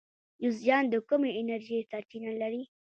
جوزجان د کومې انرژۍ سرچینه لري؟